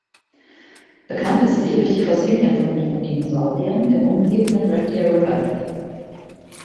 Bekannt ist sie durch die Fossilien-Funde von Dinosauriern im umgebenden Red Deer River Valley.